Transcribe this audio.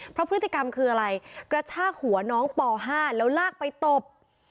เพราะพฤติกรรมคืออะไรกระชากหัวน้องป๕แล้วลากไปตบ